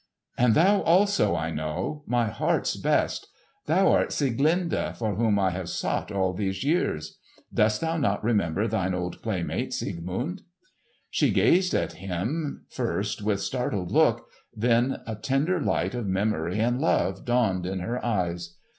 "And thou, also, I know, my heart's best! Thou art Sieglinde, for whom I have sought all these years. Dost thou not remember thine old playmate Siegmund?" She gazed at him first with startled look; then a tender light of memory and love dawned in her eyes.